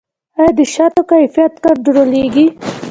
آیا د شاتو کیفیت کنټرولیږي؟